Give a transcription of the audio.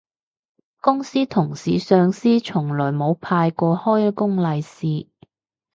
公司同事上司從來冇派過開工利是